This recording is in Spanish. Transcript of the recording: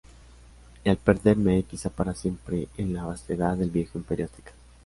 y al perderme, quizá para siempre, en la vastedad del viejo Imperio Azteca